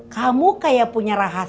kamu kayak punya rahasia